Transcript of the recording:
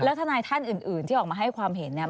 แล้วทนายท่านอื่นที่ออกมาให้ความเห็นเนี่ย